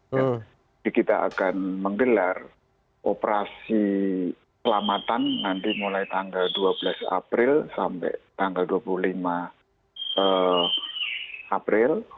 kita akan menggelar operasi selamatan nanti mulai tanggal dua belas april sampai tanggal dua puluh lima april